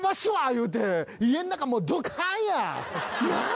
言うて家ん中もうドカンや。なあ？